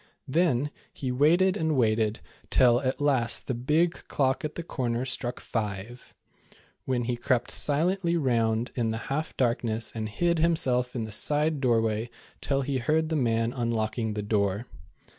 Then he waited and waited, till at last the big clock at the corner struck ''five,'' when he crept silently round in the half darkness and hid himself in the side doorway till he heard the man unlocking the door.